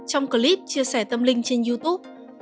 trong clip chia sẻ tâm linh trên youtube